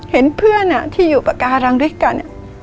เห็นเพื่อนที่อยู่ปากการังด้วยกัน